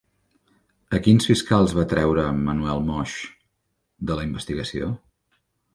A quins fiscals va treure Manuel Moix de la investigació?